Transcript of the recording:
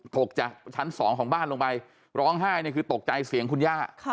ตกจากชั้นสองของบ้านลงไปร้องไห้เนี่ยคือตกใจเสียงคุณย่า